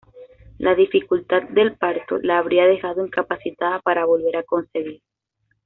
La dificultad del parto la habría dejado incapacitada para volver a concebir.